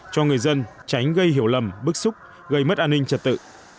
cho người dân tránh gây hiểu lầm bức xúc gây mất an ninh trật tự